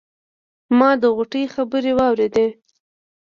ما د غوټۍ خبرې واورېدې.